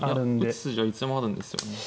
打つ筋はいつでもあるんですよ。